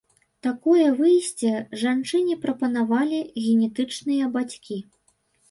Такое выйсце жанчыне прапанавалі генетычныя бацькі.